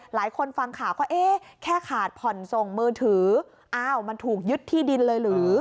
หลายคนฟังข่าวก็เอ๊ะแค่ขาดผ่อนส่งมือถืออ้าวมันถูกยึดที่ดินเลยหรือ